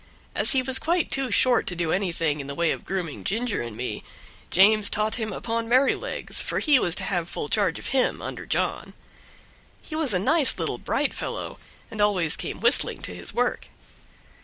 As he was quite too short to do anything in the way of grooming Ginger and me, James taught him upon Merrylegs, for he was to have full charge of him, under John. He was a nice little bright fellow, and always came whistling to his work.